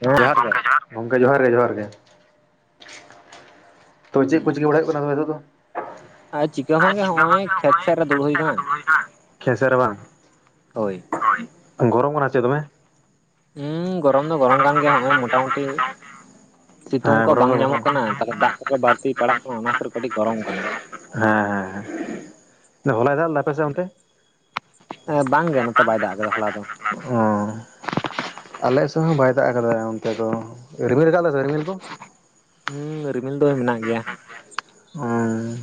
ᱦᱮᱸ ᱡᱚᱦᱟᱨ ᱜᱮ᱾ ᱜᱚᱝᱠᱮ ᱡᱚᱦᱟᱨ ᱜᱮ ᱡᱚᱦᱟᱨ ᱜᱮ᱾ ᱛᱚ ᱪᱮᱫ ᱠᱚ ᱦᱩᱸ ᱪᱤᱠᱟᱹ ᱵᱟᱲᱟᱭᱮᱫ ᱠᱟᱱᱟ ᱛᱚᱵᱮ ᱱᱤᱛᱚᱜ ᱫᱚ? ᱟᱨ ᱪᱤᱠᱟᱹ ᱦᱚᱸ ᱵᱟᱝᱜᱮ ᱦᱚᱸᱜᱼᱚᱭ ᱠᱷᱮᱛ ᱥᱮᱫ ᱨᱮ ᱫᱩᱲᱩᱵ ᱦᱩᱭ ᱠᱟᱱᱟ [unintelligible] ᱠᱷᱮᱛ ᱥᱮᱜ ᱨᱮ ᱵᱟᱝ? ᱦᱚᱭ᱾ ᱜᱚᱨᱚᱢ ᱠᱟᱱᱟ ᱪᱮ ᱫᱚᱢᱮ? ᱦᱩᱸ ᱜᱚᱨᱚᱢ ᱫᱚ ᱜᱚᱨᱚᱢ ᱠᱟᱱ ᱜᱮᱭᱟ ᱦᱚᱸᱜᱼᱚᱭ ᱢᱚᱴᱟ ᱢᱩᱴᱤ᱾ ᱥᱤᱛᱩᱝ ᱦᱮᱸ ᱠᱚ ᱜᱚᱨᱚᱢ ᱫᱚ ᱵᱟᱝ ᱜᱚᱨᱚᱢ ᱧᱟᱢᱚᱜ ᱠᱟᱱᱟ ᱛᱟᱦᱚᱞᱮ ᱫᱟᱜ ᱠᱚᱫᱚ ᱵᱟᱹᱲᱛᱤ ᱯᱟᱲᱟᱜ ᱠᱟᱱᱟ, ᱚᱱᱟ ᱠᱷᱟᱹᱛᱤᱨ ᱠᱟᱹᱴᱤᱡ ᱜᱚᱨᱚᱢ ᱠᱟᱱᱟ᱾ ᱦᱮᱸ ᱦᱮᱸ ᱦᱮ, ᱟᱫᱚ ᱦᱚᱞᱟᱭ ᱫᱟᱜ ᱞᱮᱫᱟ? ᱟᱯᱮ ᱥᱮᱫ ᱚᱱᱛᱮ? ᱵᱟᱝᱜᱮ ᱦᱮᱸ ᱵᱟᱝ ᱜᱮ ᱱᱚᱛᱮ ᱠᱟᱫᱟ ᱵᱟᱭ ᱦᱚᱞᱟ ᱫᱟᱜ ᱫᱚ ᱠᱟᱫᱟ [unintelligible] ᱟᱞᱮ ᱥᱮᱫ ᱦᱚᱸ ᱵᱟᱭ ᱫᱟᱜ ᱟᱠᱟᱫᱟ ᱚᱱᱛᱮ ᱫᱚ, ᱨᱤᱢᱤᱞ ᱟᱠᱟᱫ ᱫᱮ ᱥᱮ ᱨᱤᱢᱤᱞ ᱠᱚ? ᱦᱩᱸ ᱨᱤᱢᱤᱞ ᱫᱚ ᱢᱮᱱᱟᱜ ᱜᱮᱭᱟ᱾ ᱚᱸ᱾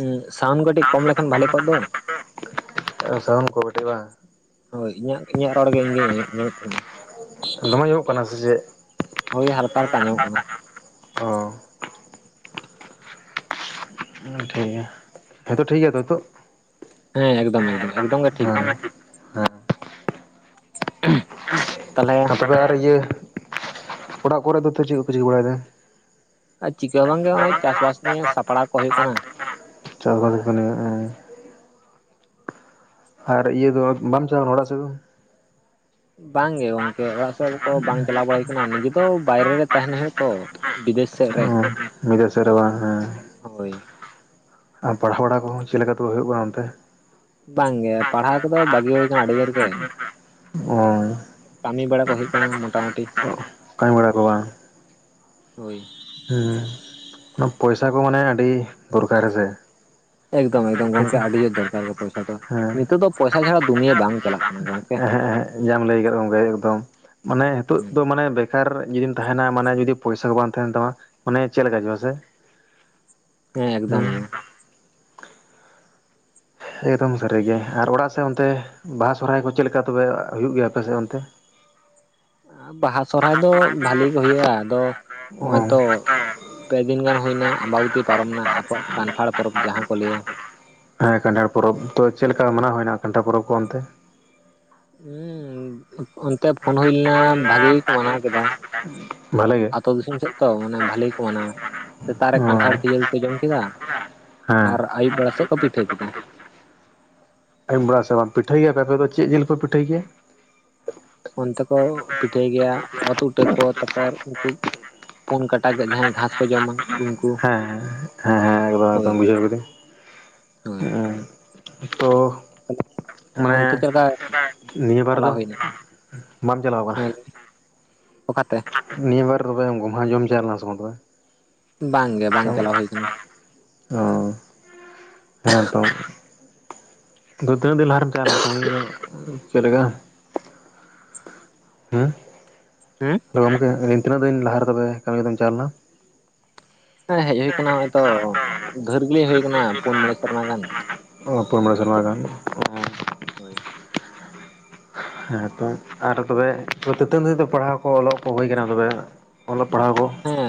ᱩᱸ ᱥᱟᱣᱩᱱᱰ ᱠᱟᱹᱴᱤᱡ ᱠᱚᱢ ᱞᱮᱠᱷᱟᱱ ᱵᱷᱟᱞᱮ ᱠᱚᱜ ᱫᱚ᱾ ᱥᱟᱣᱩᱱᱰ ᱠᱚ ᱠᱟᱹᱴᱤᱡ ᱵᱟᱝ? ᱦᱚᱭ ᱤᱧᱟᱹᱜ ᱤᱧᱟᱹᱜ ᱨᱚᱲ ᱜᱮ ᱤᱧ ᱜᱮ ᱟᱹᱡᱚᱢᱮᱫ ᱛᱤᱧᱟᱹ᱾ ᱫᱚᱢᱮ ᱟᱸᱡᱚᱢᱚᱜ ᱠᱟᱱᱟ ᱥᱮ ᱪᱮᱫ? ᱦᱚᱭ ᱦᱟᱞᱠᱟ ᱦᱟᱞᱠᱟ ᱟᱸᱡᱚᱢᱚᱜ ᱠᱟᱱᱟ᱾ ᱚ ᱴᱷᱤᱠ ᱜᱮᱭᱟ᱾ ᱦᱮᱸᱛᱚ ᱴᱷᱤᱠ ᱜᱮᱭᱟ ᱱᱤᱛᱚᱜ? ᱦᱮᱸ ᱮᱠᱫᱚᱢ ᱮᱠᱫᱚᱢ ᱮᱠᱫᱚᱢ ᱜᱮ ᱴᱷᱤᱠ ᱜᱮᱭᱟ᱾ ᱦᱮᱸ ᱛᱟᱦᱚᱞᱮ ᱟᱨ ᱛᱚᱵᱮ ᱟᱨ ᱤᱭᱟᱹ ᱚᱲᱟᱜ ᱠᱚᱨᱮ ᱫᱚ ᱛᱚ ᱪᱮᱫ ᱠᱚ ᱯᱮ ᱪᱤᱠᱟᱹ ᱵᱟᱲᱟᱭᱮᱫᱟ? ᱟᱨ ᱪᱤᱠᱟᱹ ᱵᱟᱝᱜᱮ ᱱᱚᱜ ᱚᱭ ᱪᱟᱥᱵᱟᱥ ᱱᱤᱭᱮ ᱥᱟᱯᱲᱟᱣ ᱠᱚ ᱦᱩᱭᱩᱜ ᱠᱟᱱᱟ᱾ ᱪᱟᱨ [unintelligible] ᱟᱨ ᱤᱭᱟᱹ ᱫᱚ ᱵᱟᱢ ᱪᱟᱞᱟᱭᱼᱟ ᱚᱲᱟᱜ ᱥᱮ ᱫᱚ? ᱵᱟᱝᱜᱮ ᱜᱚᱝᱠᱮ ᱚᱲᱟᱜ ᱥᱮᱫ ᱠᱚ ᱵᱟᱝ ᱪᱟᱞᱟᱣ ᱵᱟᱲᱟᱭ ᱦᱩᱭ ᱠᱟᱱᱟ, ᱱᱤᱡᱮ ᱫᱚ ᱵᱟᱭᱨᱮ ᱨᱮ ᱛᱟᱦᱮᱱ ᱦᱩᱭᱩᱜ ᱛᱚ᱾ ᱵᱤᱫᱮᱥ ᱥᱮᱫ ᱦᱮᱸ ᱱᱤᱡᱮ ᱥᱮᱨᱮ ᱵᱟᱝ ᱦᱮᱸ᱾ ᱦᱚᱭ᱾ ᱟᱨ ᱯᱟᱲᱦᱟᱣ ᱵᱟᱲᱟ ᱠᱚᱦᱚᱸ ᱪᱮᱫ ᱞᱮᱠᱟ ᱛᱮ ᱦᱩᱭᱩᱜ ᱠᱟᱱᱟ ᱚᱱᱛᱮ? ᱵᱟᱝᱜᱮ ᱯᱟᱲᱦᱟᱣ ᱠᱚᱫᱚ ᱵᱷᱟᱹᱜᱤ ᱦᱩᱭ ᱟᱠᱟᱱᱟ ᱟᱹᱰᱤ ᱫᱤᱱ ᱨᱮᱜᱮ᱾ ᱚᱸᱻ ᱠᱟᱹᱢᱤ ᱵᱟᱲᱟ ᱠᱚ ᱦᱩᱭᱩᱜ ᱠᱟᱱᱟ ᱢᱚᱴᱟᱢᱩᱴᱤ᱾ ᱠᱟᱹᱢᱤ ᱵᱟᱲᱟ ᱠᱚ ᱵᱟᱝ? ᱦᱳᱭ, ᱦᱮᱸ, ᱚᱱᱟ ᱯᱚᱭᱥᱟ ᱠᱚ ᱢᱟᱱᱮ ᱟᱹᱰᱤ ᱫᱚᱨᱠᱟᱨ ᱦᱮᱸ ᱥᱮ? ᱮᱠᱫᱚᱢ ᱮᱠᱫᱚᱢ ᱜᱚᱝᱠᱮ ᱟᱹᱰᱤ ᱡᱳᱨ ᱫᱚᱨᱠᱟᱨ ᱜᱮ ᱯᱚᱭᱥᱟ ᱫᱚ, ᱦᱮᱸ ᱱᱤᱛᱚᱜ ᱫᱚ ᱯᱚᱭᱥᱟ ᱪᱷᱟᱲᱟ ᱫᱩᱱᱭᱟᱹ ᱵᱟᱝ ᱪᱟᱞᱟᱜ ᱠᱟᱱᱟ ᱜᱚᱝᱠᱮ᱾ ᱮᱦᱮᱸ ᱮᱦᱮᱸ ᱡᱟᱢ ᱞᱟᱹᱭ ᱠᱟᱫ ᱜᱚᱝᱠᱮ ᱮᱠᱫᱚᱢ ᱢᱟᱱᱮ ᱱᱤᱛᱚᱜ ᱦᱩᱸ ᱫᱚ ᱢᱟᱱᱮ ᱵᱮ ᱠᱟᱨ ᱡᱩᱫᱤᱢ ᱛᱟᱦᱮᱱᱟ ᱢᱟᱱᱮ ᱡᱩᱫᱤ ᱯᱚᱭᱥᱟ ᱠᱚ ᱵᱟᱝ ᱛᱟᱦᱮᱱ ᱛᱟᱢᱟ, ᱢᱟᱱᱮ ᱪᱮᱫ ᱞᱮᱠᱟ ᱪᱚ ᱦᱮᱸ ᱥᱮ? ᱦᱮᱸ ᱮᱠᱫᱚᱢ ᱜᱮ᱾ ᱮᱠᱫᱚᱢ ᱥᱟᱹᱨᱤ ᱜᱮ᱾ ᱟᱨ ᱚᱲᱟᱜ ᱥᱮᱫ ᱚᱱᱛᱮ ᱵᱟᱦᱟ ᱥᱚᱦᱚᱨᱟᱭ ᱠᱚ ᱪᱮᱫ ᱞᱮᱠᱟ ᱛᱚᱵᱮ ᱦᱩᱭᱩᱜ ᱜᱮᱭᱟ ᱟᱯᱮᱥᱮᱫ ᱚᱱᱛᱮ? ᱵᱟᱦᱟ ᱥᱚᱨᱦᱟᱭ ᱫᱚ ᱵᱷᱟᱞᱤ ᱜᱮ ᱦᱩᱭᱩᱜᱼᱟ᱾ ᱟᱫᱚ ᱚ ᱦᱚᱜᱼᱚᱸᱭ ᱛᱚ ᱯᱮ ᱫᱤᱱ ᱜᱟᱱ ᱦᱩᱭᱱᱟ, ᱟᱢᱵᱟᱵᱚᱛᱤ ᱯᱟᱨᱚᱢ ᱱᱟ ᱟᱵᱚᱣᱟᱜ ᱠᱟᱱᱴᱷᱟᱲ ᱯᱚᱨᱚᱵᱽ ᱡᱟᱦᱟᱸ ᱠᱚ ᱞᱟᱹᱭᱟ᱾ ᱦᱮᱸ ᱠᱟᱱᱴᱷᱟᱲ ᱯᱚᱨᱚᱵᱽ᱾ ᱛᱚ ᱪᱮᱫ ᱞᱮᱠᱟ ᱢᱟᱱᱟᱣ ᱦᱩᱭ ᱱᱟ ᱠᱟᱱᱴᱷᱟᱲ ᱯᱚᱨᱚᱵᱽ ᱠᱚ ᱚᱱᱛᱮ? ᱦᱩᱸ ᱚᱱᱛᱮ ᱯᱷᱳᱱ ᱦᱩᱭ ᱞᱮᱱᱟ ᱵᱷᱟᱜᱤ ᱜᱮᱠᱚ ᱢᱟᱱᱟᱣ ᱠᱮᱫᱟ᱾ ᱵᱷᱟᱞᱮ ᱜᱮ ᱟᱹᱛᱳ ᱫᱤᱥᱚᱢ ᱥᱮᱫ ᱛᱚ ᱢᱟᱱᱮ ᱵᱷᱟᱞᱮ ᱜᱮ ᱠᱚ ᱢᱟᱱᱟᱣᱟ᱾ ᱥᱮᱛᱟᱜ ᱨᱮ ᱚ ᱠᱟᱱᱴᱷᱟᱲ ᱠᱷᱤᱡᱟᱹᱲᱤ ᱠᱚ ᱡᱚᱢ ᱠᱮᱫᱟ, ᱦᱮᱸ ᱟᱨ ᱟᱹᱭᱩᱵ ᱵᱮᱲᱟ ᱥᱮᱫ ᱠᱚ ᱯᱤᱴᱷᱟᱹ ᱠᱮᱫᱟ᱾ ᱟᱹᱭᱩᱵ ᱵᱟᱲᱟ ᱥᱮ ᱵᱟᱝ ᱯᱤᱴᱷᱟᱹᱭ ᱜᱮᱭᱟ ᱯᱮ, ᱫᱚ ᱪᱮᱫ ᱡᱤᱞ ᱯᱮ ᱯᱤᱴᱷᱟᱹᱭ ᱜᱮᱭᱟ? ᱚᱱᱛᱮ ᱠᱚ ᱯᱤᱴᱷᱟᱹᱭ ᱜᱮᱭᱟ ᱚᱛ ᱩᱴᱟᱹ ᱠᱚ ᱛᱟᱯᱚᱨ ᱩᱱᱠᱩ ᱯᱳᱱ ᱠᱟᱴᱟ ᱡᱟᱦᱟᱸᱭ ᱜᱷᱟᱥ ᱠᱚ ᱡᱚᱢᱟ᱾ ᱩᱱᱠᱩ ᱦᱮᱸ ᱦᱮᱸ ᱦᱮᱸ ᱮᱠᱫᱚᱢ ᱦᱳᱭ ᱮᱠᱫᱚᱢ ᱵᱩᱡᱷᱟᱹᱣ ᱠᱮᱫᱟᱹᱧ᱾ ᱦᱳᱭ, ᱛᱚ ᱢᱟᱱᱮ ᱚᱱᱛᱮ ᱪᱮᱫ ᱞᱮᱠᱟ? ᱱᱤᱭᱟᱹ ᱵᱟᱨ ᱫᱚ ᱪᱟᱞᱟᱣ ᱦᱩᱭᱱᱟ ᱵᱟᱢ ᱪᱟᱞᱟᱣ ᱠᱟᱱᱟ? ᱦᱮᱸ ᱞᱟᱹᱭ ᱢᱮ᱾ ᱚᱠᱟᱛᱮ ᱱᱤᱭᱟᱹ ᱵᱟᱨ ᱛᱚᱵᱮ ᱜᱚᱸᱜᱷᱟ ᱡᱚᱢ ᱪᱟᱞᱟᱣ ᱞᱮᱱᱟᱢ ᱥᱮ ᱵᱟᱝ ᱛᱚᱵᱮ? ᱵᱟᱝ ᱜᱮ ᱵᱟᱝ ᱪᱟᱞᱟᱣ ᱦᱩᱭ ᱠᱟᱱᱟ᱾ ᱚ ᱦᱮᱸ ᱛᱚ᱾ ᱟᱫᱚ ᱛᱤᱱᱟᱹᱜ ᱫᱤᱱ ᱞᱟᱦᱟᱨᱮᱢ ᱪᱟᱞᱟᱣᱟ ᱠᱟᱹᱢᱤ ᱠᱚᱫᱚ ᱪᱮᱫ ᱞᱮᱠᱟ ᱦᱮᱸ? ᱦᱮᱸ ᱛᱚ ᱜᱚᱢᱠᱮ ᱛᱤᱱᱟᱹᱜ ᱫᱤᱱ ᱞᱟᱦᱟ ᱨᱮ ᱛᱚᱵᱮ ᱠᱟᱹᱢᱤ ᱠᱚᱫᱚᱢ ᱪᱟᱞᱟᱣ ᱞᱮᱱᱟ? ᱦᱮᱸ ᱦᱮᱡ ᱦᱩᱭ ᱠᱟᱱᱟ ᱦᱚᱭᱛᱚ ᱰᱷᱮᱨ ᱜᱮ ᱦᱩᱭ ᱠᱟᱱᱟ ᱯᱩᱱ ᱢᱚᱬᱮ ᱥᱮᱨᱢᱟ ᱜᱟᱱ [unintelligible] ᱚ ᱯᱳᱱ ᱢᱚᱬᱮ ᱥᱮᱨᱢᱟ ᱜᱟᱱ᱾ ᱦᱳᱭ, ᱦᱮᱸ ᱛᱚ ᱟᱨ ᱛᱚᱵᱮ [unintelligible] ᱯᱟᱲᱦᱟᱣ ᱠᱚ ᱚᱞᱚᱜ ᱠᱚ ᱦᱩᱭ ᱠᱟᱱᱟ ᱛᱚᱵᱮ᱾ ᱚᱞᱚᱜ ᱯᱟᱲᱦᱟᱣ ᱠᱚ? ᱦᱮᱸ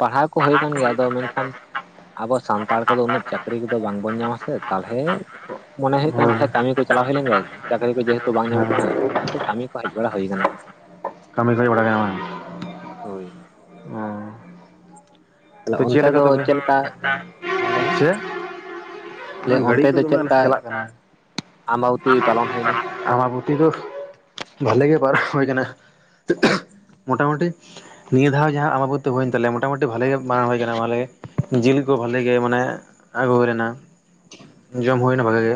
ᱯᱟᱲᱦᱟᱣ ᱠᱚ ᱦᱩᱭ ᱠᱟᱱ ᱜᱮᱭᱟ, ᱟᱫᱚ ᱢᱮᱱᱠᱷᱟᱱ ᱟᱵᱚ ᱥᱟᱱᱛᱟᱲ ᱠᱚᱫᱚ ᱩᱱᱟᱹᱜ ᱪᱟᱹᱠᱨᱤ ᱠᱚᱫᱚ ᱵᱟᱝᱵᱚᱱ ᱧᱟᱢᱟ ᱥᱮ, ᱛᱟᱞᱦᱮ ᱢᱚᱱᱮ ᱦᱩᱭᱩᱜ ᱠᱟᱱ ᱦᱳᱭ ᱛᱟᱦᱮᱱᱟ ᱠᱟᱹᱢᱤ ᱠᱚ ᱪᱟᱞᱟᱣ ᱦᱩᱭ ᱞᱮᱱ ᱜᱮ, ᱪᱟᱹᱠᱨᱤ ᱠᱚ ᱡᱮᱦᱮᱛᱩ ᱵᱟᱝ ᱧᱟᱢᱚᱜ ᱠᱟᱱᱟ, ᱦᱮᱸ ᱚᱱᱟ ᱠᱷᱟᱹᱛᱤᱨ ᱠᱟᱹᱢᱤ ᱠᱚ ᱦᱮᱡ ᱵᱟᱲᱟ ᱦᱩᱭ ᱠᱟᱱᱟ᱾ ᱠᱟᱹᱢᱤ ᱠᱚ [unintelligible] ᱵᱟᱝ ᱦᱳᱭ, ᱚ ᱛᱟᱦᱚᱞᱮ ᱛᱚ ᱪᱮᱫ ᱚᱱᱛᱮ ᱞᱮᱠᱟ ᱫᱚ ᱛᱚᱵᱮ ᱪᱮᱫ ᱞᱮᱠᱟ ᱪᱮᱫᱠᱟ ᱦᱮᱸ ᱞᱟᱹᱭ ᱢᱮ ᱞᱟᱹᱭ ᱪᱮᱫ? ᱜᱟᱹᱲᱤ ᱚᱱᱛᱮ ᱠᱚ ᱫᱚ ᱫᱚᱢᱮ ᱪᱮᱫ ᱞᱮᱠᱟ ᱟᱞᱮᱥᱮᱡ ᱪᱟᱞᱟᱜ ᱠᱟᱱᱟ᱾ ᱟᱢᱵᱟᱵᱚᱛᱤ ᱯᱟᱞᱚᱱ ᱦᱩᱭᱱᱟ ᱟᱢᱟᱵᱳᱛᱤ ᱫᱚ ᱵᱷᱟᱞᱮ ᱜᱮ ᱯᱟᱨᱚᱢ ᱦᱩᱭ ᱠᱟᱱᱟ᱾ ᱢᱚᱴᱟᱢᱩᱴᱤ ᱱᱤᱭᱟᱹ ᱫᱷᱟᱣ ᱡᱟᱦᱟᱸ ᱟᱢᱟᱵᱳᱛᱤ ᱦᱩᱭᱮᱱ ᱛᱟᱞᱮᱭᱟ ᱢᱚᱴᱟᱢᱩᱴᱤ ᱵᱷᱟᱞᱮ ᱜᱮ, ᱵᱟᱝ ᱦᱩᱭ ᱠᱟᱱᱟ ᱵᱷᱟᱞᱮ, ᱡᱤᱞ ᱠᱚ ᱵᱷᱟᱞᱮ ᱜᱮ ᱢᱟᱱᱮ ᱟᱹᱜᱩ ᱦᱳᱭ ᱞᱮᱱᱟ᱾ ᱡᱚᱢ ᱦᱩᱭᱱᱟ ᱵᱷᱟᱜᱮ ᱜᱮ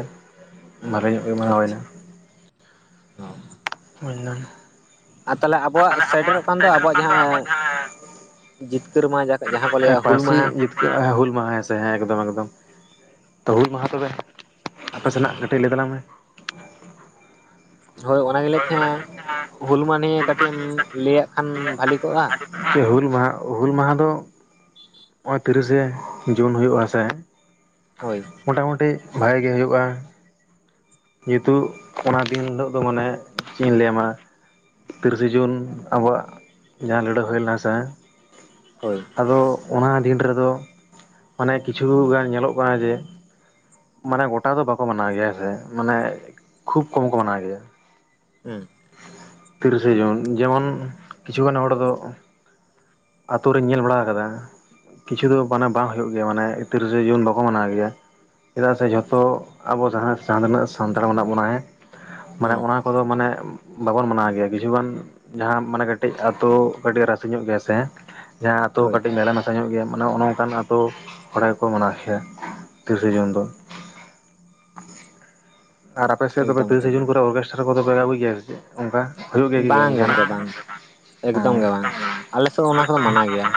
ᱵᱷᱟᱞᱮ ᱧᱚᱜ ᱜᱮ ᱢᱟᱱᱮ ᱟᱪᱪᱷᱟ ᱦᱩᱭᱱᱟ᱾ ᱦᱳᱭᱱᱟ ᱟ ᱛᱟᱦᱚᱞᱮ ᱟᱵᱚᱣᱟᱜ ᱥᱮᱴᱮᱨᱚᱜ ᱠᱟᱱ ᱫᱚ ᱟᱵᱚᱣᱟᱜ ᱡᱟᱦᱟᱸ ᱡᱤᱛᱠᱟᱹᱨ ᱢᱟᱦᱟ ᱢᱟᱦᱟᱸ ᱡᱟᱦᱟᱸ ᱠᱚ ᱞᱟᱹᱭᱟ ᱦᱩᱞ ᱯᱟᱹᱨᱥᱤ ᱢᱟᱦᱟ᱾ ᱦᱩᱞ ᱢᱟᱦᱟ ᱦᱮᱸ ᱥᱮ ᱦᱮᱸ ᱮᱠᱫᱚᱢ ᱮᱠᱫᱚᱢ ᱛᱚ ᱦᱩᱞ ᱢᱟᱦᱟ ᱛᱚᱵᱮ ᱟᱯᱮ ᱥᱮᱱᱟᱜ ᱠᱟᱹᱴᱤᱡ ᱞᱟᱹᱭ ᱛᱟᱞᱟᱝ ᱢᱮ ᱦᱳᱭ ᱚᱱᱟ ᱜᱤ ᱞᱟᱹᱭ ᱛᱟᱦᱮᱸ-ᱟ ᱦᱩᱞ ᱢᱟᱱᱮ ᱠᱟᱹᱴᱤᱡ ᱮᱢ ᱞᱟᱹᱭᱟᱜ ᱠᱷᱟᱱ ᱵᱷᱟᱞᱤ ᱠᱚᱜᱼᱟ ᱥᱮ ᱦᱩᱞ ᱢᱟᱦᱟ ᱦᱩᱞ ᱢᱟᱦᱟ ᱫᱚ ᱦᱚᱜᱼᱚᱭ ᱛᱤᱨᱤᱥᱮ ᱡᱩᱱ ᱦᱩᱭᱩᱜ ᱟ ᱥᱮ ᱦᱳᱭ ᱢᱳᱚᱴᱟᱢᱩᱴᱤ ᱵᱷᱟᱜᱮ ᱜᱮ ᱦᱩᱭᱩᱜᱼᱟ ᱡᱮᱦᱮᱛᱩ ᱚᱱᱟ ᱫᱤᱱ ᱦᱤᱞᱳᱜ ᱫᱚ ᱢᱟᱱᱮ ᱪᱮᱫ ᱤᱧ ᱞᱟᱹᱭᱟ ᱢᱟ᱾ ᱛᱤᱨᱤᱥᱮ ᱡᱩᱱ ᱟᱵᱚᱣᱟᱜ ᱡᱟᱦᱟᱸ ᱞᱟᱹᱲᱟᱹᱭ ᱦᱩᱭ ᱞᱮᱱᱟ ᱥᱮ ᱦᱳᱭ ᱟᱫᱚ ᱚᱱᱟ ᱫᱤᱱ ᱨᱮᱫᱚ ᱢᱟᱱᱮ ᱠᱤᱪᱷᱩ ᱜᱟᱱ ᱧᱮᱞᱚᱜ ᱠᱟᱱᱟ ᱡᱮ ᱢᱟᱱᱮ ᱜᱚᱴᱟ ᱫᱚ ᱵᱟᱠᱚ ᱢᱟᱱᱟᱣ ᱜᱮᱭᱟ ᱥᱮ ᱢᱟᱱᱮ ᱠᱷᱩᱵ ᱠᱚᱢ ᱠᱚ ᱢᱟᱱᱟᱣ ᱜᱮᱭᱟ ᱦᱮᱸ ᱛᱤᱨᱤᱥᱮ ᱡᱩᱱ ᱡᱮᱢᱚᱱ ᱠᱤᱪᱷᱩᱜᱟᱱ ᱦᱚᱲ ᱫᱚ ᱟᱛᱳ ᱨᱮᱧ ᱧᱮᱞ ᱵᱟᱲᱟ ᱠᱟᱫᱟ᱾ ᱠᱤᱪᱷᱩ ᱫᱚ ᱢᱟᱱᱮ ᱵᱟᱝ ᱦᱩᱭᱩᱜ ᱜᱮᱭᱟ ᱢᱟᱱᱮ ᱛᱤᱨᱤᱥᱮ ᱡᱩᱱ ᱵᱟᱠᱚ ᱢᱟᱱᱟᱣ ᱜᱮᱭᱟ ᱪᱮᱫᱟᱜ ᱥᱮ ᱡᱷᱚᱛᱚ ᱟᱵᱚ ᱡᱟᱦᱟᱸ ᱡᱟᱦᱟᱸ ᱛᱤᱱᱟᱹᱜ ᱥᱟᱱᱛᱟᱲ ᱢᱮᱱᱟᱜ ᱵᱚᱱᱟ ᱦᱮᱸ ᱢᱟᱱᱮ ᱦᱩᱸ ᱚᱱᱟ ᱠᱚᱫᱚ ᱢᱟᱱᱮ ᱵᱟᱵᱚᱱ ᱢᱟᱱᱟᱣ ᱜᱮᱭᱟ ᱠᱤᱪᱷᱩᱜᱟᱱ ᱡᱟᱦᱟᱸ ᱢᱟᱱᱮ ᱠᱟᱹᱴᱤᱡ ᱟᱹᱛᱩ ᱠᱟᱹᱴᱤᱡ ᱨᱟᱥᱮ ᱧᱚᱜ ᱜᱮᱭᱟ ᱥᱮ ᱡᱟᱦᱟᱸ ᱟᱛᱳ ᱦᱳᱭ ᱠᱟᱹᱴ ᱢᱮᱞᱟ ᱢᱮᱥᱟ ᱧᱚᱜ ᱜᱮᱭᱟ ᱢᱟᱱᱮ ᱚᱱᱮ ᱚᱱᱠᱟᱱ ᱟᱛᱳ ᱦᱚᱲ ᱜᱮᱠᱚ ᱢᱟᱱᱟᱣ ᱠᱮᱭᱟ ᱛᱤᱨᱤᱥᱟ ᱡᱩᱱ ᱫᱚ ᱟᱨ ᱟᱯᱮ ᱥᱮᱫ ᱛᱚᱵᱮ ᱮᱠᱫᱚᱢ ᱜᱮ ᱛᱤᱨᱤᱥᱮ ᱡᱩᱱ ᱠᱚᱨᱮ ᱚᱨᱜᱮᱥᱴᱟᱨ ᱠᱚ ᱫᱚᱯᱮ ᱟ. ᱜᱩᱭ ᱜᱮᱭᱟ ᱥᱮ ᱪᱮᱫ᱾ ᱚᱱᱠᱟ ᱦᱩᱭᱩᱜ ᱜᱮ ᱠᱤ ᱵᱟᱝ ᱡᱟᱦᱟᱱᱟᱜ ᱜᱚᱝᱠᱮ ᱵᱟᱝ ᱮᱠᱫᱚᱢ ᱚᱸ ᱜᱮ ᱵᱟᱝ ᱟᱞᱮᱥᱮᱫ ᱦᱚᱸ ᱚᱱᱟ ᱠᱚᱫᱚ ᱢᱟᱱᱟ ᱜᱮᱭᱟ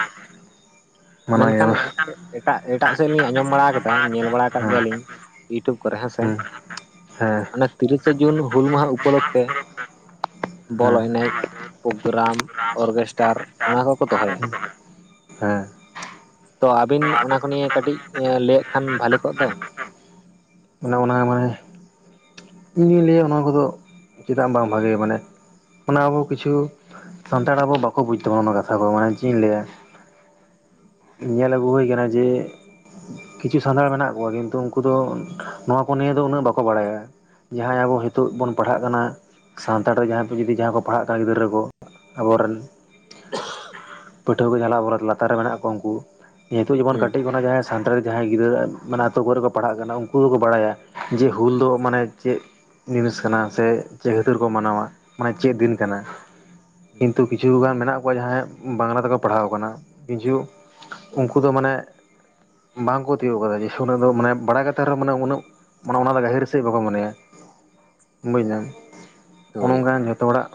ᱢᱟᱱᱟᱣ ᱜᱮᱭᱟ ᱢᱮᱱᱠᱷᱟᱱ ᱵᱟᱝ ᱮᱴᱟᱜ ᱮᱴᱟᱜ ᱥᱮᱫ ᱞᱤᱧ ᱟᱸᱡᱚᱢ ᱵᱟᱲᱟ ᱠᱟᱫᱟ ᱧᱮᱞ ᱵᱟᱲᱟ ᱠᱟᱫ ᱦᱮᱸ ᱜᱮᱭᱟᱞᱤᱧ ᱤᱭᱩᱴᱩᱵᱽ ᱠᱚᱨᱮ ᱦᱮᱸᱥᱮ ᱦᱮᱸ ᱦᱮᱸ ᱚᱱᱟ ᱛᱤᱨᱤᱥᱟ ᱡᱩᱱ ᱦᱩᱞ ᱢᱟᱦᱟ ᱩᱯᱚᱞᱚᱠᱠᱷᱮ ᱦᱮᱸ ᱵᱚᱞᱚ ᱮᱱᱮᱡ ᱯᱨᱳᱜᱨᱟᱢ ᱚᱨᱜᱮᱥᱴᱟᱨ ᱚᱱᱟ ᱠᱚᱠᱚ ᱫᱚᱦᱚᱭᱟ᱾ ᱦᱮᱸ [inaudible] ᱛᱚ ᱟᱹᱵᱤᱱ ᱚᱱᱟ ᱠᱚ ᱱᱤᱭᱮ ᱠᱟᱹᱴᱤᱡ ᱞᱟᱹᱭᱟᱜ ᱠᱷᱟᱱ ᱵᱷᱟᱞᱮ ᱠᱚᱜ ᱫᱚ [unintelligible] ᱢᱟᱱᱮ ᱚᱱᱟ ᱢᱟᱱᱮ ᱤᱧᱫᱩᱧ ᱞᱟᱹᱭᱟ ᱚᱱᱟ ᱠᱚᱫᱚ ᱪᱮᱫᱟᱜ ᱵᱟᱝ ᱵᱷᱟᱜᱮ ᱢᱟᱱᱮ ᱚᱱᱟ ᱟᱵᱚ ᱠᱤᱪᱷᱩ ᱥᱟᱱᱛᱟᱲ ᱟᱵᱚ ᱵᱟᱠᱚ ᱵᱩᱡ ᱛᱟᱵᱚᱱᱟ ᱚᱱᱟ ᱠᱟᱛᱷᱟ ᱠᱚ ᱢᱟᱱᱮ ᱪᱮᱫ ᱤᱧ ᱞᱟᱹᱭᱟ ᱧᱮᱞ ᱟᱹᱜᱩ ᱦᱩᱭ ᱟᱠᱟᱱᱟ ᱡᱮ ᱠᱤᱪᱷᱩ ᱥᱟᱱᱛᱟᱲ ᱢᱮᱱᱟᱜ ᱠᱚᱣᱟ ᱠᱤᱱᱛᱩ ᱩᱱᱠᱩ ᱫᱚ ᱱᱚᱣᱟ ᱠᱚ ᱱᱤᱭᱮ ᱫᱚ ᱩᱱᱟᱹᱜ ᱵᱟᱠᱚ ᱵᱟᱲᱟᱭᱟ᱾ ᱡᱟᱦᱟᱸᱭ ᱟᱵᱚ ᱦᱤᱛᱚᱜ ᱵᱚᱱ ᱯᱟᱲᱦᱟᱜ ᱠᱟᱱᱟ ᱥᱟᱱᱛᱟᱲ ᱛᱮ ᱡᱟᱦᱟᱸᱭ ᱠᱚ ᱡᱩᱫᱤ ᱡᱟᱦᱟᱸᱭ ᱠᱚ ᱯᱟᱲᱦᱟᱜ ᱠᱟᱱ ᱜᱤᱫᱽᱨᱟᱹ ᱠᱚ ᱟᱵᱚ ᱨᱮᱱ ᱯᱟᱹᱴᱷᱩᱣᱟᱹ ᱠᱚ ᱡᱟᱸᱦᱟ ᱟᱵᱚ ᱞᱟᱛᱟᱨ ᱨᱮ ᱢᱮᱱᱟᱜ ᱠᱚᱣᱟ ᱩᱱᱠᱩ ᱱᱤᱛᱳᱜ ᱡᱮᱢᱚᱱ ᱦᱩᱸ ᱠᱟᱹᱴᱤᱡ ᱠᱷᱚᱱᱟᱜ ᱡᱟᱦᱟᱸᱭ ᱥᱟᱱᱛᱟᱲᱤ ᱡᱟᱦᱟᱸᱭ ᱜᱤᱫᱽᱨᱟᱹ ᱢᱟᱱᱮ ᱟᱛᱳ ᱠᱚᱨᱮ ᱠᱚ ᱯᱟᱲᱦᱟᱜ ᱠᱟᱱᱟ ᱩᱱᱠᱩ ᱫᱚᱠᱚ ᱵᱟᱲᱟᱭᱟ ᱡᱮ ᱦᱩᱞᱫᱚ ᱢᱟᱱᱮ ᱪᱮᱫ ᱡᱤᱱᱤᱥ ᱠᱟᱱᱟ ᱥᱮ ᱪᱮᱫ ᱠᱷᱟᱹᱛᱟᱹᱨ ᱠᱚ ᱢᱟᱱᱟᱣᱟ ᱢᱟᱱᱮ ᱪᱮᱫ ᱫᱤᱱ ᱠᱟᱱᱟ᱾ ᱦᱩᱸ ᱠᱤᱱᱛᱩ ᱠᱤᱪᱷ ᱜᱟᱱ ᱢᱮᱱᱟᱜ ᱠᱚᱣᱟ ᱡᱟᱦᱟᱸᱭ ᱵᱟᱝᱞᱟ ᱛᱮᱠᱚ ᱯᱟᱲᱦᱟᱣ ᱠᱟᱱᱟ ᱠᱤᱪᱷᱩ ᱩᱱᱠᱩ ᱫᱚ ᱢᱟᱱᱮ ᱵᱟᱝ ᱠᱚ ᱛᱤᱭᱳᱜ ᱠᱟᱫᱟ ᱡᱮ ᱩᱱᱟ. ᱜ ᱫᱚ ᱢᱟᱱᱮ ᱵᱟᱲᱟᱭ ᱠᱟᱛᱮᱫ ᱨᱮᱚᱸ ᱢᱟᱱᱮ ᱩᱱᱟᱹᱜ ᱢᱟᱱᱮ ᱚᱱᱟ ᱫᱚ ᱜᱟᱹᱦᱤᱨ ᱥᱮᱫ ᱵᱟᱠᱚ ᱢᱚᱱᱮᱭᱟ ᱵᱩᱡ ᱫᱟᱢ ᱚᱱᱮ ᱦᱳᱭ ᱚᱱᱠᱟᱱ ᱡᱷᱚᱛᱚ ᱦᱚᱲᱟᱜ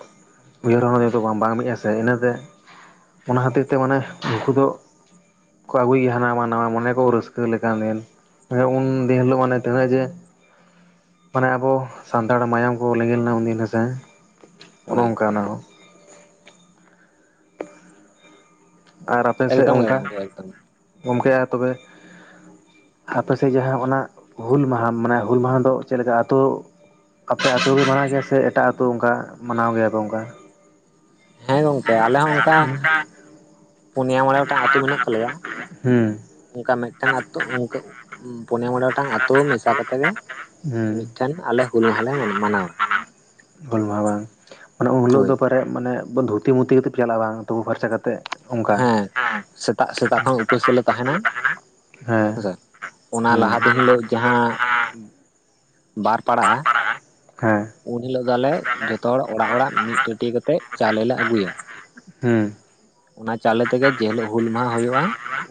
ᱩᱭᱦᱟᱹᱨ ᱵᱷᱵᱱᱟ ᱫᱚ ᱵᱟᱝ ᱵᱟᱝ ᱢᱤᱫᱜ ᱟ ᱥᱮ ᱤᱱᱟᱹᱛᱮ ᱚᱱᱟ ᱦᱚᱛᱮ ᱛᱮ ᱢᱟᱱᱮ ᱩᱱᱠᱩ ᱫᱚ ᱠᱚ ᱟᱹᱜᱩᱭᱭᱟ ᱦᱟᱱᱟ ᱱᱟᱣᱟ ᱢᱚᱱᱮ ᱠᱚ ᱨᱟᱹᱥᱠᱟᱹ ᱞᱮᱠᱟᱱ ᱫᱤᱱ ᱩᱱᱫᱤᱱ ᱦᱤᱞᱳᱜ ᱢᱟᱱᱮ ᱛᱤᱱᱟᱹᱜ ᱡᱮ ᱢᱟᱱᱮ ᱟᱵᱚ ᱥᱟᱱᱛᱟᱲ ᱢᱟᱭᱟᱢ ᱠᱚ ᱞᱮᱸᱜᱤ ᱞᱮᱱᱟ ᱩᱱᱫᱤᱱ ᱦᱮᱥᱮ ᱚᱱ ᱦᱳᱭ ᱚᱱᱠᱟ ᱚᱱᱟ ᱦᱚᱸ, ᱟᱨ ᱟᱯᱮ ᱥᱮᱫ ᱮᱠᱫᱚᱢ ᱜᱮ ᱚᱱᱠᱟ ᱜᱚᱢᱠᱮ ᱮᱠᱫᱚᱢ ᱜᱚᱝᱠᱮ ᱟᱨ ᱛᱚᱵᱮ ᱟᱯᱮ ᱥᱮᱫ ᱡᱟᱦᱟᱸ ᱚᱱᱟ ᱦᱩᱞ ᱢᱟᱦᱟ ᱢᱟᱱᱮ ᱦᱩᱞ ᱢᱟᱦᱟ ᱫᱚ ᱪᱮᱫᱠᱟ ᱟᱛᱳ ᱟᱯᱮ ᱟᱛᱳ ᱨᱮ ᱢᱟᱱᱟᱣ ᱜᱮᱭᱟ ᱥᱮ ᱮᱴᱟᱜ ᱟᱛᱳ ᱚᱱᱠᱟ ᱢᱟᱱᱟᱣ ᱜᱮᱭᱟ ᱠᱚ ᱚᱱᱠᱟ, ᱦᱮᱸ ᱜᱚᱝᱠᱮ ᱟᱞᱮ ᱦᱚᱸ ᱚᱱᱠᱟ ᱯᱩᱱᱭᱟ ᱢᱚᱬᱮ ᱜᱚᱴᱟᱝ ᱟᱹᱛᱩ ᱢᱮᱱᱟᱜ ᱛᱟᱞᱮᱭᱟ, ᱦᱩᱸ ᱚᱱᱠᱟ ᱢᱤᱫᱴᱟᱝ ᱟᱛᱳ ᱚᱱᱠᱟ ᱯᱩᱱᱮ ᱢᱚᱬᱮ ᱜᱚᱴᱟᱝ ᱟᱛᱳ ᱢᱮᱥᱟ ᱠᱟᱛᱮᱜ ᱜᱮ ᱦᱩᱸ ᱢᱤᱫᱴᱮᱱ ᱟᱞᱮ ᱦᱩᱞ ᱢᱟᱦᱟᱞᱮ ᱢᱟᱱᱟᱣᱟ ᱾ ᱵᱟᱝ ᱵᱟᱝ ᱢᱟᱱᱮ ᱩᱱ ᱦᱤᱞᱳᱜ ᱦᱳᱭ ᱫᱚ ᱴᱮ ᱢᱟᱱᱮ ᱫᱷᱩᱛᱤ ᱢᱩᱛᱤ ᱠᱟᱛᱮᱫ ᱯᱮ ᱪᱟᱞᱟᱜᱼᱟ ᱵᱟᱝ ᱛᱩᱯᱩ ᱯᱷᱟᱨᱪᱟ ᱠᱟᱛᱮᱮᱫ ᱚᱱᱠᱟ, ᱦᱮᱸ ᱥᱮᱛᱟᱜ ᱥᱮᱛᱟᱜ ᱠᱷᱚᱱ ᱩᱯᱟᱹᱥ ᱨᱮᱞᱮ ᱛᱟᱦᱮᱸᱱᱟ, ᱦᱮᱸ ᱦᱮᱸᱥᱮ ᱚᱱᱟ ᱞᱟᱦᱟ ᱫᱤᱱ ᱦᱤᱞᱳᱜ ᱡᱟᱦᱟᱸ ᱵᱟᱨ ᱯᱟᱲᱟᱜᱼᱟ ᱦᱮᱸ ᱩᱱ ᱦᱤᱞᱳᱜ ᱫᱚ ᱟᱞᱮ ᱡᱷᱚᱛᱚ ᱦᱚᱲ ᱚᱲᱟᱜ ᱚᱲᱟᱜ ᱢᱤᱫ ᱪᱟᱹᱮᱴᱤ ᱠᱟᱛᱮᱫ ᱪᱟᱣᱞᱮ ᱞᱮ ᱟᱜᱩᱭᱟ, ᱦᱩᱸ ᱚᱱᱟ ᱪᱟᱣᱞᱮ ᱛᱮᱜᱮ ᱡᱮᱦᱤᱞᱳᱜ ᱦᱩᱞ ᱢᱟᱦᱟ ᱦᱩᱭᱩᱜᱼᱟ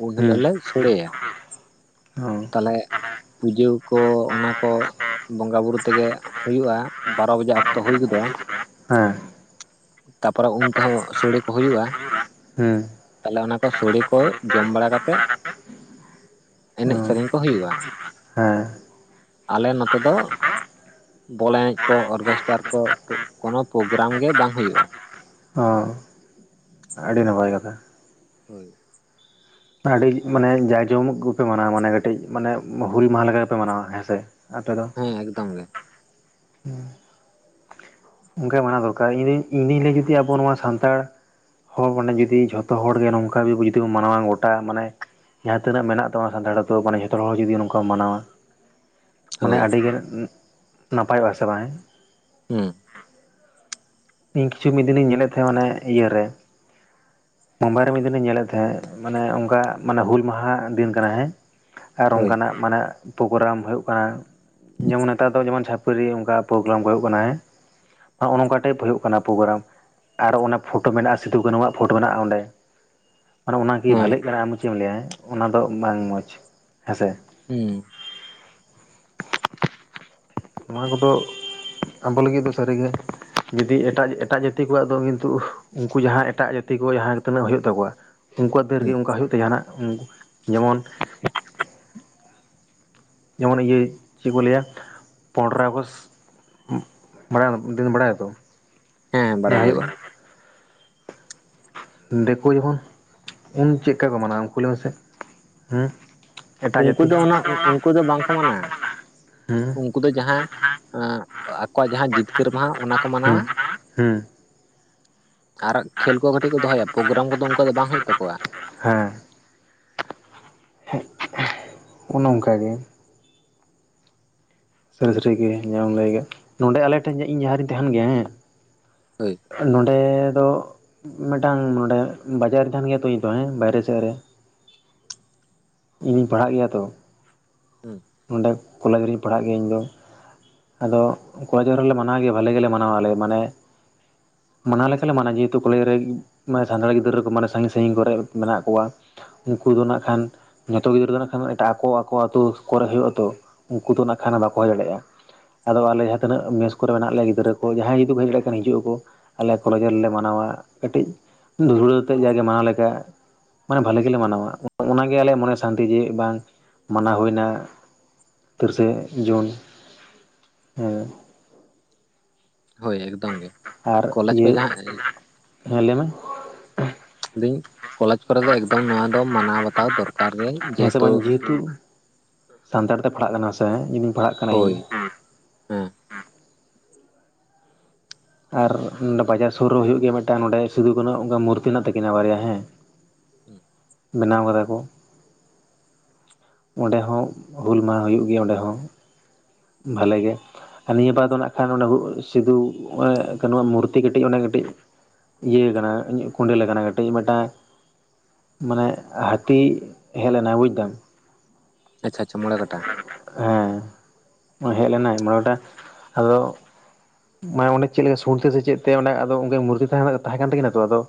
ᱩᱱ ᱦᱤᱞᱳᱜ ᱞᱮ ᱥᱳᱲᱮᱭᱟ᱾ ᱚᱸ ᱯᱩᱡᱟᱹ ᱠᱚ ᱚᱱᱟ ᱠᱚ ᱵᱚᱸᱜᱟ ᱵᱩᱨᱩ ᱛᱮᱜᱮ ᱦᱩᱭᱩᱜᱼᱟ ᱵᱟᱨᱚ ᱵᱟᱡᱟᱜ ᱚᱠᱛᱚ ᱦᱩᱭ ᱜᱚᱫᱚᱜᱼᱟ ᱾ ᱦᱮᱸ, ᱛᱟᱯᱚᱨᱮ ᱩᱱ ᱛᱮᱦᱚᱸ ᱥᱚᱲᱮ ᱠᱚ ᱦᱩᱭᱩᱜᱼᱟ, ᱦᱮᱸ ᱛᱟᱦᱚᱞᱮ ᱚᱱᱟ ᱠᱚ ᱥᱚᱲᱮ ᱠᱚ ᱡᱚᱢ ᱵᱟᱲᱟ ᱠᱟᱛᱮᱫ ᱚ ᱮᱱᱮᱡ ᱥᱮᱨᱮᱧ ᱠᱚ ᱦᱩᱭᱩᱜᱼᱟ ᱦᱮᱸ ᱟᱞᱮ ᱱᱚᱛᱮ ᱫᱚ ᱵᱚᱞ ᱮᱱᱮᱡ ᱠᱚ ᱚᱨᱠᱮᱥᱴᱟᱨ ᱠᱚ ᱠᱳᱱᱳ ᱯᱨᱳᱜᱨᱟᱢ ᱜᱮ ᱵᱟᱝ ᱦᱩᱭᱩᱜᱼᱟ ᱾ ᱦᱚᱸ ᱟᱹᱰᱤ ᱱᱟᱯᱟᱭ ᱠᱟᱛᱷᱟ ᱾ ᱦᱳᱭ ᱾ ᱟᱹᱰᱤ ᱢᱟᱱᱮ ᱡᱟᱭᱡᱚᱢᱚᱠ ᱜᱮᱯᱮ ᱢᱟᱱᱟᱣᱟ ᱢᱟᱱᱮ ᱠᱟᱹᱴᱤᱡ ᱢᱟᱱᱮ ᱦᱩᱞ ᱢᱟᱦᱟ ᱞᱮᱠᱟ ᱜᱮᱯᱮ ᱢᱟᱱᱟᱣᱟ ᱦᱮᱸ ᱥᱮ ᱟᱯᱮ ᱫᱚ ᱾ ᱦᱮᱸ ᱮᱠᱫᱚᱢ ᱜᱮ ᱾ [unintelligible] ᱚᱱᱠᱟ ᱜᱮ ᱢᱟᱱᱟᱣ ᱫᱚᱨᱠᱟᱨ ᱤᱧ ᱤᱧ ᱫᱩᱧ ᱞᱟᱹᱭ ᱡᱩᱫᱤ ᱟᱵᱚ ᱱᱚᱣᱟ ᱥᱟᱱᱛᱟᱲ ᱦᱚᱲ [inaudible] ᱡᱩᱫᱤ ᱡᱷᱚᱛᱚ ᱦᱚᱲᱜᱮ ᱱᱚᱝᱠᱟ ᱜᱮ ᱡᱩᱫᱤ ᱵᱚ ᱢᱟᱱᱟᱣᱟ ᱜᱚᱴᱟ ᱢᱟᱱᱮ ᱡᱟᱦᱟᱸ ᱛᱤᱱᱟᱹᱜ ᱢᱮᱱᱟᱜ ᱛᱟᱢᱟ ᱥᱟᱱᱛᱟᱲ ᱟᱛᱳ ᱢᱟᱱᱮ ᱡᱷᱚᱛᱚ ᱦᱚᱲ ᱡᱩᱫᱤ ᱱᱚᱝᱠᱟᱢ ᱢᱟᱱᱟᱣᱟ ᱢᱟᱱᱮ ᱦᱳᱭ ᱟᱹᱰᱤᱜᱮ ᱱᱟᱯᱟᱭᱚᱜᱼᱟ ᱦᱮᱥᱮ ᱵᱟᱝ ᱦᱮᱸ ᱾ ᱦᱩᱸ ᱤᱧ ᱠᱤᱪᱷᱩ ᱢᱤᱫ ᱫᱤᱱᱤᱧ ᱧᱮᱞᱮᱫ ᱛᱟᱦᱮᱸᱱ ᱚᱱᱮ ᱤᱭᱟᱹᱨᱮ ᱢᱩᱢᱵᱟᱭ ᱨᱮ ᱢᱤᱫ ᱫᱤᱱᱤᱧ ᱧᱮᱞᱮᱫ ᱛᱟᱦᱮᱸᱜ ᱢᱟᱱᱮ ᱚᱱᱠᱟ ᱢᱟᱱᱮ ᱦᱩᱞ ᱢᱟᱦᱟ ᱫᱤᱱ ᱠᱟᱱᱟ ᱦᱮᱸ ᱟᱨ ᱦᱳᱭ ᱚᱱᱠᱟᱱᱟᱜ ᱢᱟᱱᱮ ᱯᱳᱜᱨᱟᱢ ᱦᱩᱭᱩᱜ ᱠᱟᱱᱟ, ᱡᱮᱢᱚᱱ ᱱᱮᱛᱟᱨ ᱫᱚ ᱡᱮᱢᱚᱱ ᱪᱷᱟᱯᱨᱤ ᱚᱱᱠᱟ ᱯᱳᱨᱜᱨᱟᱢ ᱠᱚ ᱦᱩᱭᱩᱜ ᱠᱟᱱᱟ ᱦᱮ ᱦᱚᱜ ᱱᱚᱝᱠᱟ ᱴᱟᱭᱤᱯ ᱦᱩᱭᱩᱜ ᱚᱱᱟ ᱯᱳᱨᱜᱨᱟᱢ ᱟᱨ ᱚᱱᱮ ᱯᱷᱳᱴᱳ ᱢᱮᱱᱟᱜᱼᱟ ᱥᱤᱫᱩ ᱠᱟᱹᱱᱩᱣᱟᱜ ᱯᱷᱳᱴᱳ ᱢᱮᱱᱟᱜᱼᱟ ᱚᱸᱰᱮ, ᱢᱟᱱᱮ ᱚᱱᱟᱜᱤ ᱦᱮᱸ ᱵᱷᱟᱞᱮᱜ ᱠᱟᱱᱟ ᱟᱢ ᱦᱚ ᱪᱮᱫ ᱮᱢ ᱞᱟᱹᱭᱟ ᱚᱱᱟ ᱫᱚ ᱵᱟᱝ ᱢᱚᱡᱽ ᱦᱮᱸᱥᱮ, ᱦᱩᱸ᱾ ᱱᱚᱣᱟ ᱠᱚᱫᱚ ᱟᱵᱚ ᱞᱟᱹᱜᱤᱫ ᱫᱚ ᱥᱟᱹᱨᱤᱜᱮ ᱡᱫᱤ ᱮᱴᱟᱜ ᱮᱴᱟᱜ ᱡᱟᱹᱛᱤ ᱠᱚᱣᱟᱜ ᱫᱚ ᱠᱤᱱᱛᱩ ᱩᱱᱠᱩ ᱡᱟᱦᱟᱸ ᱮᱴᱟᱜ ᱡᱟᱹᱛᱤ ᱠᱚ ᱡᱟᱦᱟᱸ ᱛᱤᱱᱟᱹᱜ ᱦᱩᱭᱩᱜ ᱛᱟᱠᱚᱣᱟ ᱩᱱᱠᱩᱭᱟᱜ ᱛᱤ ᱨᱮᱜᱮ ᱦᱩᱸ ᱚᱱᱠᱟ ᱦᱩᱭᱩᱜ ᱛᱮ ᱡᱟᱦᱟᱱᱟᱜ ᱡᱮᱢᱚᱱ ᱡᱮᱢᱚᱱ ᱤᱭᱟᱹ ᱪᱮᱫ ᱠᱚ ᱞᱟᱹᱭᱟ ᱯᱚᱱᱨᱚᱭ ᱟᱜᱚᱥᱴ᱾ [inaudible] ᱵᱟᱲᱟᱭᱟᱢ ᱫᱟᱹᱲ ᱮᱢ ᱫᱟᱹᱲ ᱛᱚ ᱦᱮᱸ [unintelligible] ᱵᱟᱲᱟᱭ ᱦᱩᱭᱩᱜᱼᱟ᱾ ᱜᱮᱭᱟᱞᱤᱧ ᱫᱤᱠᱩ ᱡᱚᱠᱷᱚᱱ ᱩᱱ ᱪᱮᱫᱠᱟ ᱠᱚ ᱢᱟᱱᱟᱣ-ᱟ ᱩᱱᱠᱩ ᱞᱟᱹᱭ ᱢᱮᱥᱮ? [inaudible] ᱮᱴᱟᱜ ᱩᱱᱠᱩ ᱡᱟᱹᱛᱤ ᱫᱚ ᱚᱱᱟ ᱩᱱᱠᱩ ᱫᱚ ᱵᱟᱝᱠᱚ ᱢᱟᱱᱟᱜ-ᱟ᱾ ᱦᱩᱸ ᱩᱱᱠᱩ ᱫᱚ ᱡᱟᱦᱟᱸ ᱟᱜ ᱟᱠᱚᱣᱟᱜ ᱡᱟᱦᱟᱸ ᱡᱤᱛᱠᱟᱹᱨ ᱢᱟᱦᱟ ᱚᱱᱟᱠᱚ ᱦᱩᱸ ᱢᱟᱱᱟᱣᱟ᱾ ᱦᱩᱸ᱾ [unintelligible] ᱟᱨ ᱠᱷᱮᱞ ᱠᱚ ᱠᱟᱹᱴᱤᱡ ᱠᱚ ᱫᱚᱦᱚᱭᱟ ᱯᱨᱳᱜᱨᱟᱢ ᱠᱚᱫᱚ ᱩᱱᱚᱱᱠᱟ ᱫᱚ ᱵᱟᱝ ᱦᱩᱭᱩᱜ ᱛᱟᱠᱚᱣᱟ᱾ ᱦᱮᱸ᱾ ᱩᱱ ᱱᱚᱝᱠᱟᱜᱮ ᱥᱟᱹᱨᱤ ᱜᱮ ᱡᱟᱢ ᱞᱟᱹᱭᱠᱟᱫ ᱱᱚᱸᱰᱮ ᱟᱞᱮ ᱴᱷᱮᱱ ᱤᱧ ᱡᱟᱦᱟᱸ ᱨᱤᱧ ᱛᱟᱦᱮᱱ ᱜᱮᱭᱟ ᱦᱮᱸ ᱦᱳᱭ ᱱᱚᱸᱰᱮ ᱫᱚ ᱢᱮᱴᱟᱝ ᱱᱚᱸᱰᱮ ᱵᱟᱡᱟᱨ ᱛᱟᱦᱮᱱ ᱜᱮᱭᱟ ᱛᱚ [unintelligible] ᱦᱮᱸ ᱵᱟᱭᱨᱮ ᱥᱮᱫ ᱨᱮ᱾ ᱤᱧᱤᱧ ᱯᱟᱲᱦᱟᱜ ᱜᱮᱭᱟ ᱛᱚ ᱦᱩᱸ ᱱᱚᱸᱰᱮ ᱠᱚᱞᱮᱡᱽ ᱨᱤᱧ ᱯᱟᱲᱦᱟᱜ ᱜᱮᱭᱟ ᱤᱧ ᱫᱚ᱾ ᱟᱫᱚ ᱠᱚᱞᱮᱡᱽᱨᱮᱞᱮ [unintelligible] ᱢᱟᱱᱟᱣ ᱜᱮᱭᱟ ᱵᱟᱹᱞᱮ ᱜᱮᱞᱮ ᱢᱟᱱᱟᱣᱟ ᱟᱞᱮ ᱢᱟᱱᱮ ᱢᱟᱱᱟᱣ ᱞᱮᱠᱟ ᱞᱮ ᱢᱟᱱᱟᱣᱟ ᱡᱮᱦᱮᱛᱩ ᱠᱚᱞᱮᱡᱽ ᱨᱮ ᱢᱟᱱᱮ ᱥᱟᱱᱛᱟᱲᱤ ᱜᱤᱫᱽᱨᱟᱹ ᱠᱚ ᱢᱟᱱᱮ ᱥᱟᱺᱜᱤᱧ ᱥᱟᱺᱜᱤᱧ ᱠᱚᱨᱮᱜ ᱢᱮᱱᱟᱜ ᱠᱚᱣᱟ ᱩᱱᱠᱩ ᱫᱚ ᱱᱟᱜ ᱠᱷᱟᱱ ᱡᱚᱛᱚ ᱜᱤᱫᱽᱨᱟᱹ ᱫᱚ ᱱᱟᱜ ᱠᱷᱟᱱ ᱮᱴᱟᱜ ᱟᱠᱚ ᱟᱠᱚ ᱚᱛᱩ ᱠᱚᱨᱮ ᱦᱩᱭᱩᱜ ᱟᱛᱚ ᱩᱱᱠᱩ ᱫᱚ ᱱᱟᱜ ᱠᱷᱟᱱ ᱫᱚ ᱵᱟᱠᱚ ᱦᱮᱡ ᱫᱟᱲᱮᱭᱟᱜᱼᱟ᱾ ᱟᱫᱚ ᱟᱞᱮ ᱡᱟᱦᱟᱸ ᱛᱤᱱᱟᱹᱜ ᱢᱮᱥ ᱠᱚᱨᱮ ᱢᱮᱱᱟᱜ ᱞᱮᱭᱟ ᱜᱤᱫᱽᱨᱟᱹ ᱠᱚ ᱡᱟᱦᱟᱸᱭ ᱡᱩᱫᱤ ᱠᱚ ᱦᱮᱡ ᱫᱟᱲᱮᱭᱟᱜ ᱠᱷᱟᱱ ᱦᱤᱡᱩᱜ ᱟᱠᱚ᱾ ᱟᱞᱮ ᱠᱚᱨᱮ ᱜᱮᱞᱮ ᱢᱟᱱᱟᱣᱟ ᱠᱟᱹᱴᱤᱡ ᱫᱷᱩᱲᱟᱹᱣ ᱛᱮ ᱡᱟᱜᱮ ᱢᱟᱱᱟᱣ ᱞᱮᱠᱟ᱾ ᱢᱟᱱᱮ ᱵᱷᱟᱹᱞᱤ ᱜᱮᱞᱮ ᱢᱟᱱᱟᱣᱟ ᱚᱱᱟ ᱜᱮ ᱟᱞᱮᱭᱟ [unintelligible] ᱢᱚᱱᱮ ᱥᱟᱱᱛᱤ ᱡᱮ [unintelligible] ᱵᱟᱝ ᱢᱟᱱᱟᱣ ᱦᱩᱭᱱᱟ ᱛᱤᱨᱤᱥᱮ ᱡᱩᱱ᱾ ᱦᱮᱸ᱾ ᱦᱳᱭ ᱮᱠᱫᱚᱢ ᱜᱮ ᱟᱨ ᱠᱚᱞᱮᱡᱽ ᱠᱚ ᱤᱭᱟᱹ ᱡᱟᱦᱟᱸ [inaudible] ᱦᱮᱸ ᱞᱟᱹᱭ ᱢᱮ? ᱫᱟᱹᱧ [unintelligible] ᱠᱚᱞᱮᱡᱽ ᱠᱚᱨᱮ ᱫᱚ ᱮᱠᱫᱚᱢ ᱱᱚᱣᱟ ᱫᱚ ᱢᱟᱱᱟᱣ ᱵᱟᱛᱟᱣ ᱫᱚᱨᱠᱟᱨ ᱜᱮ ᱦᱮᱸ ᱥᱮ ᱡᱮᱦᱮᱛᱩ ᱵᱟᱝ ᱥᱟᱱᱛᱟᱲ ᱛᱮ ᱯᱟᱲᱦᱟᱜ ᱠᱟᱱᱟ [unintelligible] ᱥᱮ? ᱤᱧᱫᱩᱧ ᱯᱟᱲᱦᱟᱜ ᱠᱟᱱᱟ ᱤᱧ᱾ ᱦᱳᱭ ᱦᱮᱸ ᱟᱨ ᱵᱟᱡᱟᱨ ᱥᱩᱨ ᱨᱮ ᱦᱩᱭᱩᱜ ᱜᱮᱭᱟ ᱢᱤᱫᱴᱟᱝ ᱱᱚᱸᱰᱮ ᱥᱤᱫᱩ, ᱠᱟᱱᱩ ᱟᱜ ᱢᱩᱨᱛᱤ ᱢᱮᱱᱟᱜ ᱛᱟᱹᱠᱤᱱᱟ ᱵᱟᱨᱭᱟ ᱦᱮᱸ᱾ [inaudible] ᱵᱮᱱᱟᱣ ᱠᱟᱫᱟ ᱠᱚ ᱚᱸᱰᱮ ᱦᱚᱸ ᱦᱩᱞ ᱢᱟᱦᱟ ᱦᱩᱭᱩᱜ ᱜᱮᱭᱟ ᱚᱸᱰᱮ ᱦᱚᱸ ᱵᱷᱟᱞᱮ ᱜᱮ᱾ ᱟᱨ ᱱᱤᱭᱟᱹ ᱵᱟᱨ ᱫᱚ ᱱᱟᱜᱠᱷᱟᱱ ᱚᱸᱰᱮ ᱥᱤᱫᱩ, ᱠᱟᱱᱩᱣᱟᱜ ᱢᱩᱨᱛᱤ ᱠᱟᱹᱴᱤᱡ ᱚᱱᱮ ᱠᱟᱹᱴᱤᱡ ᱤᱭᱟᱹ ᱟᱠᱟᱱᱟ ᱤᱧᱟᱹᱜ ᱠᱚᱸᱰᱟᱹᱮᱞ ᱟᱠᱟᱱᱟ ᱠᱟᱹᱴᱤᱡ ᱢᱮᱴᱟᱝ ᱢᱟᱱᱮ ᱦᱟᱹᱛᱤ ᱦᱮᱡ ᱞᱮᱱᱟ ᱵᱩᱡᱫᱟᱢ᱾ ᱟᱪᱪᱷᱟ ᱟᱪᱪᱷᱟ ᱢᱚᱬᱮ ᱠᱟᱴᱟ᱾ ᱦᱮᱸ ᱦᱮᱡ ᱞᱮᱱᱟᱭ ᱢᱚᱬᱮ ᱠᱟᱴᱟ ᱟᱫᱚ ᱢᱟᱱᱮ ᱚᱱᱮ ᱪᱮᱫᱞᱮᱠᱟ ᱥᱩᱨᱛᱤ [unintelligible] ᱥᱮ ᱪᱮᱫ ᱛᱮ ᱚᱱᱮ ᱟᱫᱚ ᱩᱱᱠᱤ [unintelligible] ᱢᱩᱨᱛᱤ ᱛᱟᱦᱮᱸ ᱠᱟᱱ ᱛᱟᱹᱠᱤᱱᱟ ᱛᱚ ᱟᱫᱚ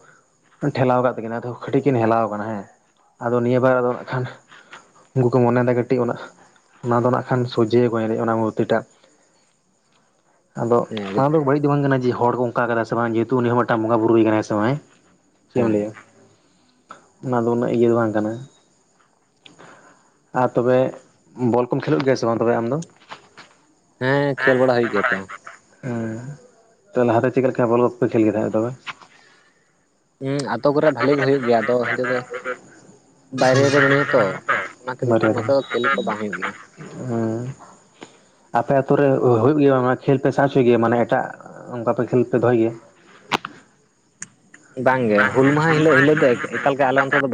ᱴᱷᱮᱞᱟᱣ ᱟᱠᱟᱫ ᱛᱟᱹᱠᱤᱱᱟ ᱟᱫᱚ ᱠᱟᱹᱴᱤᱡ ᱠᱤᱱ ᱦᱮᱞᱟᱣ ᱟᱠᱟᱱᱟ ᱦᱮᱸ ᱟᱫᱚ ᱱᱤᱭᱟᱹ ᱵᱟᱨ ᱟᱫᱚ ᱱᱟᱜ ᱠᱷᱟᱱ ᱩᱱᱠᱩ ᱢᱚᱱᱮ ᱫᱟ [unintelligible] ᱠᱟᱹᱴᱤᱡ ᱚᱱᱟ ᱚᱱᱟ ᱫᱚ ᱱᱟᱜ ᱠᱷᱟᱱ ᱥᱚᱡᱷᱮ‌ ᱵᱟᱭᱨᱮᱜᱼᱟ ᱚᱱᱟ ᱢᱩᱨᱛᱤᱴᱟᱜ᱾ ᱟᱫᱚ ᱫᱚ ᱦᱮᱸ ᱚᱱᱟ ᱫᱚ ᱵᱟᱹᱲᱤᱡ ᱫᱚ ᱵᱟᱝ ᱠᱟᱱᱟ ᱡᱮ ᱦᱚᱲ ᱠᱚ ᱚᱱᱠᱟ ᱟᱠᱟᱫᱟ ᱥᱮ ᱵᱟᱝ ᱡᱮᱦᱮᱛᱩ ᱩᱱᱤ ᱦᱚᱸ ᱢᱤᱫᱴᱟᱝ ᱵᱚᱸᱜᱟ ᱵᱩᱨᱩ ᱜᱮ ᱠᱟᱱᱟᱭ ᱥᱮ ᱵᱟᱝ [unintelligible] ᱪᱮᱫ ᱮᱢ ᱦᱮᱸ ᱞᱟᱹᱭᱟ ᱚᱱᱟ ᱫᱚ ᱩᱱᱟᱹᱜ ᱤᱭᱟᱹ ᱫᱚ ᱵᱟᱝ ᱠᱟᱱᱟ᱾ ᱟᱨ ᱛᱚᱵᱮ ᱵᱚᱞ ᱠᱚᱢ ᱠᱷᱮᱞᱳᱜ ᱜᱮᱭᱟ ᱥᱮ ᱵᱟᱝ ᱛᱚᱵᱮ ᱟᱢ ᱫᱚ? ᱦᱮᱸ ᱦᱮᱸ ᱠᱷᱮᱞ ᱵᱟᱲᱟ ᱦᱩᱭᱩᱜ ᱠᱟᱱ ᱫᱚ, ᱦᱮᱸ ᱛᱚ ᱞᱟᱦᱟ ᱛᱮ ᱪᱮᱫ ᱞᱮᱠᱟ ᱵᱚᱞ ᱠᱚᱯᱮ ᱠᱷᱮᱞ ᱜᱮ ᱟᱫᱚ ᱢᱮ? ᱦᱩᱸ ᱟᱛᱚ ᱠᱚᱨᱮ ᱵᱷᱟᱞᱤ ᱜᱮ ᱦᱩᱭᱩᱜ ᱜᱮᱭᱟ ᱟᱫᱚ ᱱᱤᱛᱚᱜ ᱫᱚ, ᱵᱟᱭᱨᱮ ᱨᱮ ᱢᱤᱱᱟᱹᱧᱟᱛᱚ ᱚᱱᱟᱛᱮ ᱱᱮᱚᱛ, [unintelligible] [unintelligible] ᱦᱮᱸ ᱟᱯᱮ ᱟᱹᱛᱚ ᱨᱮ ᱦᱩᱭᱩᱜ ᱜᱮᱭᱟ ᱢᱟᱱᱮ ᱠᱷᱮᱞ ᱯᱮ [unintelligible] ᱦᱚᱪᱚᱭ ᱜᱮᱭᱟ ᱢᱟᱱᱮ ᱮᱴᱟᱜ, ᱚᱱᱠᱟᱯᱮ ᱠᱷᱮᱞ ᱯᱮ ᱫᱚᱦᱚᱭ ᱜᱮᱭᱟ? ᱵᱟᱝᱜᱮ ᱦᱩᱞ ᱢᱟᱦᱟᱸ ᱦᱤᱞᱟᱹᱜ ᱦᱤᱞᱟᱹᱜ ᱫᱚ ᱮᱠᱟ ᱮᱠᱟᱞ ᱜᱮ ᱟᱞᱮ ᱚᱱᱛᱮ ᱫᱚ ᱵᱟᱝ